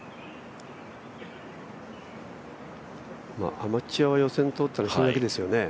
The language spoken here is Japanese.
アマチュアを予選通ったりするわけですよね。